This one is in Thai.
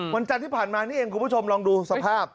วันจันทร์ที่ผ่านมานี่เองคุณผู้ชมลองดูสภาพ